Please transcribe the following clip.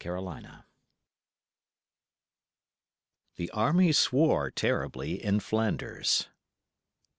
GROUSING "The army swore terribly in Flanders."